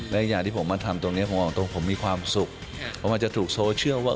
และอย่างที่ผมมาทำตรงนี้ผมมีความสุขเพราะมันจะถูกโซเชื่อว่า